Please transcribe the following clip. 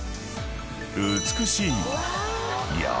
［美しい］